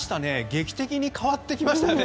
劇的に変わってきましたね。